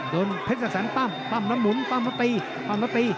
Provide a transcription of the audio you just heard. โดนเพชรสันปั้มปั้มแล้วหมุนปั้มแล้วตี